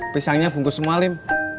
pisangnya bungkus semua lim